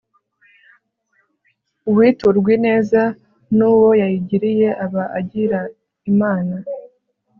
uwiturwa ineza n'uwo yayigiriye aba agira imana